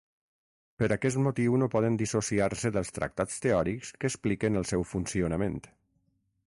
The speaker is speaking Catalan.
Per aquest motiu no poden dissociar-se dels tractats teòrics que expliquen el seu funcionament.